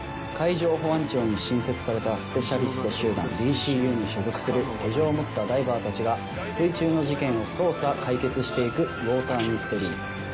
海上保安庁に新設されたスペシャリスト集団ＤＣＵに所属する手錠を持ったダイバーたちが水中の事件を捜査解決していくウオーターミステリー。